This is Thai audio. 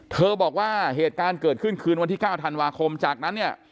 บอกว่าเหตุการณ์เกิดขึ้นคืนวันที่๙ธันวาคมจากนั้นเนี่ย